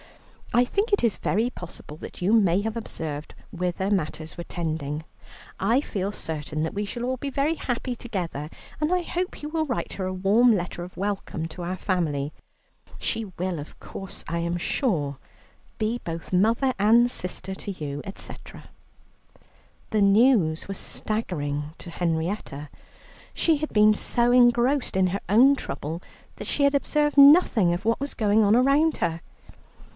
I think it is very possible that you may have observed whither matters were tending. I feel certain that we shall all be very happy together, and I hope you will write her a warm letter of welcome to our family. She will, I am sure, be both mother and sister to you, etc." The news was staggering to Henrietta. She had been so engrossed in her own trouble that she had observed nothing of what was going on around her.